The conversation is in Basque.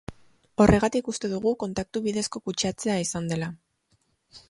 Horregatik uste dugu kontaktu bidezko kutsatzea izan dela.